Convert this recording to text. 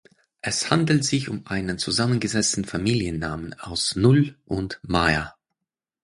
Es handelt sich um einen zusammengesetzten Familiennamen aus „Null“ und „meier“.